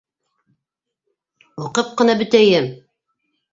Уҡып ҡына бөтәйем!